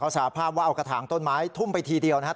สาภาพว่าเอากระถางต้นไม้ทุ่มไปทีเดียวนะครับ